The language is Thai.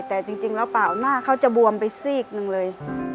แต่จริงแล้วเปล่าหน้าเขาจะบวมไปซีกหนึ่งเลย